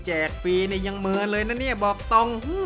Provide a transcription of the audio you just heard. แจกลี่เนี่ยยังเหมือนเลยนะเนี่ยบอกต้อง